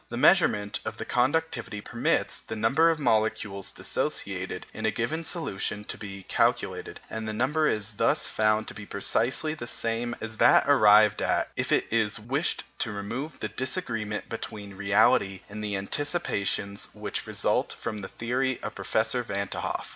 The measurement of the conductivity permits the number of molecules dissociated in a given solution to be calculated, and the number is thus found to be precisely the same as that arrived at if it is wished to remove the disagreement between reality and the anticipations which result from the theory of Professor Van t' Hoff.